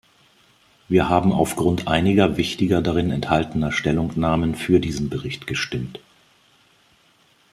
Wir haben aufgrund einiger wichtiger darin enthaltener Stellungnahmen für diesen Bericht gestimmt.